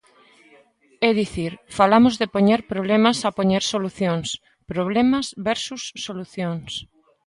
É dicir, falamos de poñer problemas a poñer solucións, problemas versus solucións.